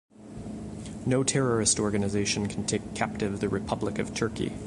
No terrorist organization can take captive the Republic of Turkey.